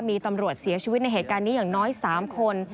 มีตำรวจเสียชีวิตในเหตุการณ์นี้อย่างน้อย๓คน